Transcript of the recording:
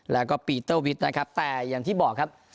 แล้วก็ปีเตอร์วิทย์นะครับแต่อย่างที่บอกครับ